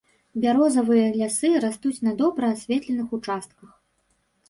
Бярозавыя лясы растуць на добра асветленых участках.